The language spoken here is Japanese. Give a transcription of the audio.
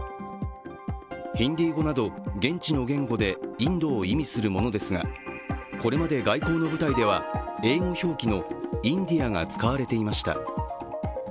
ヒンディー語など現地の言語でインドを意味するものですがこれまで外交の舞台では英語表記のインディアが使われていました。